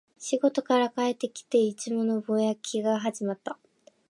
仕事から帰ってきて、いつものぼやきが始まった